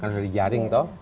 kan sudah dijaring toh